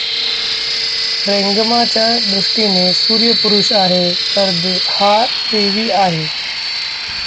रेंगमाच्या दृष्टीने सूर्य पुरुष आहे तर हा देवी आहे.